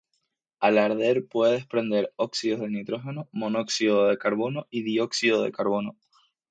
Al arder puede desprender óxidos de nitrógeno, monóxido de carbono y dióxido de carbono.